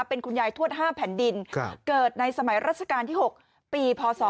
เป็นคุณยายทวด๕แผ่นดินเกิดในสมัยราชการที่๖ปีพศ